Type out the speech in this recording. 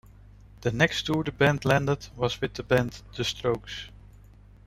The next tour the band landed was with the band The Strokes.